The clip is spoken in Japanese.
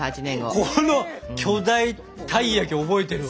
この巨大たい焼き覚えてるわ。